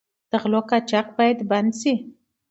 د غلو قاچاق باید بند شي.